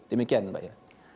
demikian mbak herai